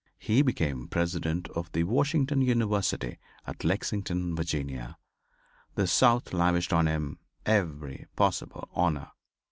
He became President of the Washington University at Lexington, Virginia. The South lavished on him every possible honor.